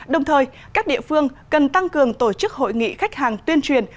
đồng thời các địa phương cần tăng cường tổ chức hội nghị khách hàng tuyên truyền